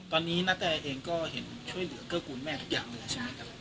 ตอนนี้ณแตเองก็เห็นช่วยเหลือเกื้อกูลแม่ทุกอย่างเลยใช่ไหมครับ